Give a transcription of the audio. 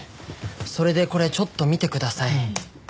それでこれちょっと見てください。